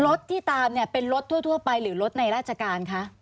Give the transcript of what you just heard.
รถที่ตามเนี่ยเป็นรถทั่วไปหรือรถในราชการคะ